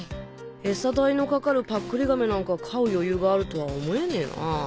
エサ代のかかるパックリ亀なんか飼う余裕があるとは思えねぇなぁ。